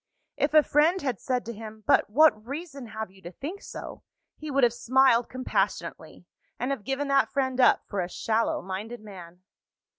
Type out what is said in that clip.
If a friend had said to him, "But what reason have you to think so?" he would have smiled compassionately, and have given that friend up for a shallow minded man.